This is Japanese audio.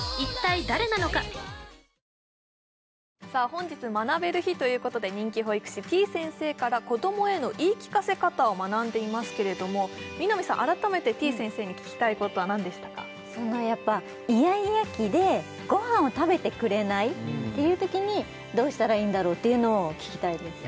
本日学べる日ということで人気保育士てぃ先生から子どもへの言い聞かせ方を学んでいますけれども南さん改めててぃ先生に聞きたいことは何でしたかやっぱイヤイヤ期でごはんを食べてくれないっていうときにどうしたらいいんだろうっていうのを聞きたいです